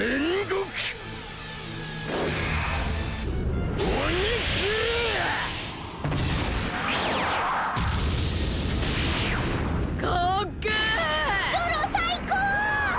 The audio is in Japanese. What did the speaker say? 「ゾロ最高！」